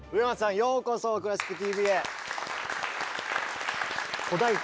ようこそ「クラシックＴＶ」へ！